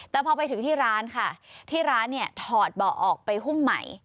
แต่พอไปถึงที่ร้านค่ะที่ร้านเนี่ยถอดเบาะออกไปหุ้มใหม่